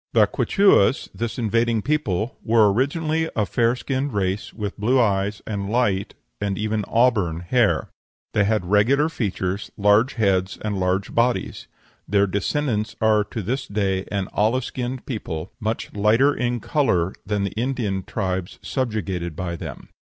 The Quichuas this invading people were originally a fair skinned race, with blue eyes and light and even auburn hair; they had regular features, large heads, and large bodies. Their descendants are to this day an olive skinned people, much lighter in color than the Indian tribes subjugated by them.